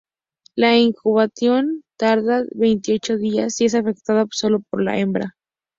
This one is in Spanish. La incubación tarda veintiocho días y es efectuada solo por la hembra.